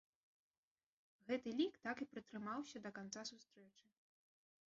Гэты лік так і пратрымаўся да канца сустрэчы.